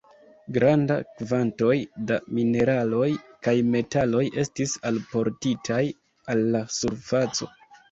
Granda kvantoj da mineraloj kaj metaloj estis alportitaj al la surfaco.